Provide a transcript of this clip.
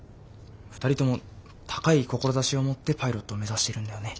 ２人とも高い志を持ってパイロットを目指しているんだよね。